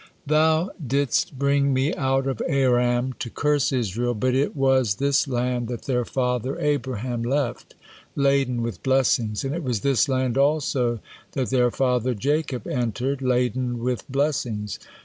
Thou didst bring me out of Aram to curse Israel, but it was this land that their father Abraham left, laden with blessings, and it was this land also that their father Jacob entered, laden with blessings.